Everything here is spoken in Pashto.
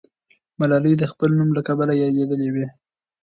ملالۍ به د خپل نوم له کبله یادېدلې وي.